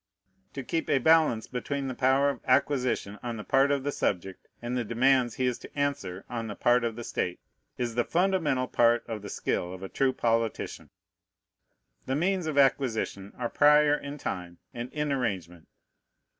To keep a balance between the power of acquisition on the part of the subject and the demands he is to answer on the part of the state is the fundamental part of the skill of a true politician. The means of acquisition are prior in time and in arrangement.